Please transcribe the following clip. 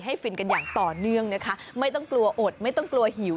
ฟินกันอย่างต่อเนื่องนะคะไม่ต้องกลัวอดไม่ต้องกลัวหิว